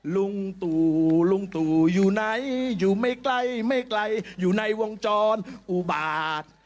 ลุงตู่ลุงตู่อยู่ไหนอยู่ไม่ไกลไม่ไกลอยู่ในวงจรอุบาต